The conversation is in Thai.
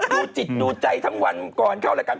ดูจิตดูใจทั้งวันก่อนเข้ารายการ